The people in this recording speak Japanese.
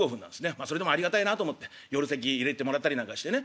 まあそれでもありがたいなと思って夜席入れてもらったりなんかしてね。